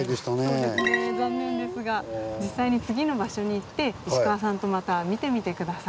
そうですね残念ですが実際に次の場所に行って石川さんとまた見てみて下さい。